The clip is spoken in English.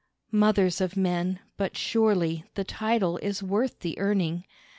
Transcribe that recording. Mothers of Men, but surely, the title is worth the earning.